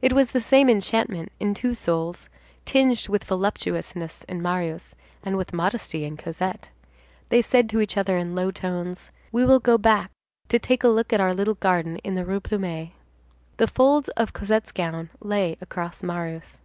It was the same enchantment in two souls, tinged with voluptuousness in Marius, and with modesty in Cosette. They said to each other in low tones: "We will go back to take a look at our little garden in the Rue Plumet." The folds of Cosette's gown lay across Marius.